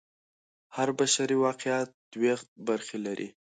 هر بشري واقعیت دوې برخې لري.